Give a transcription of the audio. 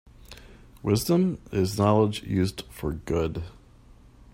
Wisdom is knowledge used for good.